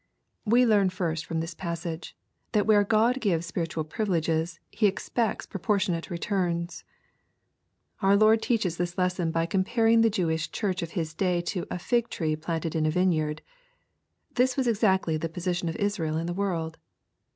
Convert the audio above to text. We learn first from this passage thsit where God gives spiritual privileges He expects proportionate returns. Our Lord teaches this lesson by comparing the Jewish Church of His day to a " fig tree planted in a vineyanl." This was exactly the position of Israel in the world.